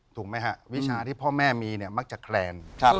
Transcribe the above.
ถูกไหมฮะวิชาที่พ่อแม่มีเนี่ยมักจะแคลน